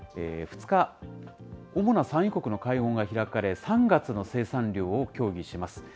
２日、主な産油国の会合が開かれ、３月の生産量を協議します。